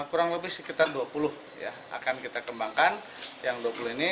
kurang lebih sekitar dua puluh ya akan kita kembangkan yang dua puluh ini